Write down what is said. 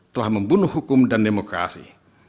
telah membunuh hukum dan demokrasi